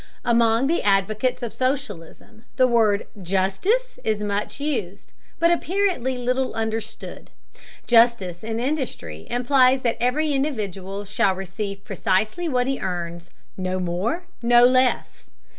Among the advocates of socialism the word "justice" is much used, but apparently little understood. Justice in industry implies that every individual shall receive precisely what he earns, no more, no less.